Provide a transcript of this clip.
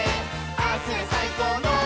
「ああすりゃさいこうの」